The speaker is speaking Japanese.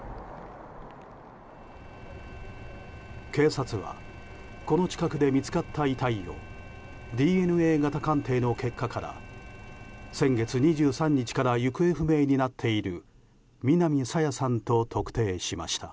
警察はこの近くで見つかった遺体をＤＮＡ型鑑定の結果から先月２３日から行方不明になっている南朝芽さんと特定しました。